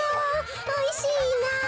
おいしいなっと。